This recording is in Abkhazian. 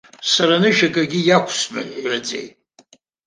Сара анышә акгьы иақәсмыҳәҳәаӡеит.